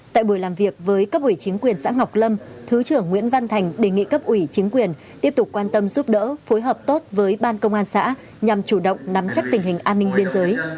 tại buổi làm việc với cấp ủy chính quyền xã ngọc lâm thứ trưởng nguyễn văn thành đề nghị cấp ủy chính quyền tiếp tục quan tâm giúp đỡ phối hợp tốt với ban công an xã nhằm chủ động nắm chắc tình hình an ninh biên giới